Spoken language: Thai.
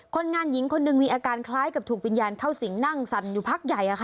คนงานหญิงคนหนึ่งมีอาการคล้ายกับถูกวิญญาณเข้าสิงนั่งสั่นอยู่พักใหญ่